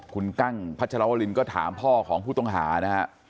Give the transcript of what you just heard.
คุณกั้งพัชรวรินก็ถามพ่อของผู้ต้องหานะฮะ